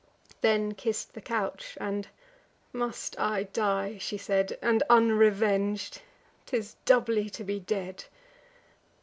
Then kiss'd the couch; and, "Must I die," she said, "And unreveng'd? 'Tis doubly to be dead!